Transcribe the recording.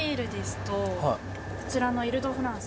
こちらのイル・ド・フランス。